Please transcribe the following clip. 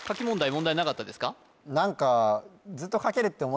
問題なかったですか？